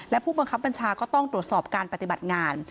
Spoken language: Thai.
และผู้บังคับบัญชาก็ต้องตรวจสอบการปฏิบัติงาน